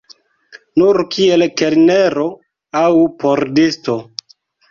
Nur kiel kelnero aŭ pordisto.